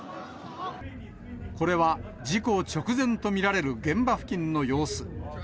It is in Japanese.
これは事故直前と見られる現場付近の様子。